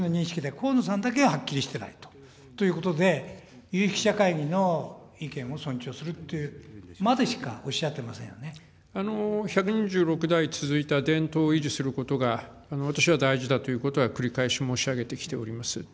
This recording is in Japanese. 河野さんだけがはっきりしてないということで、有識者会議の意見を尊重するっていうまでしかおっ１２６代続いた伝統を維持することが、私は大事だということは、繰り返し申し上げてきております。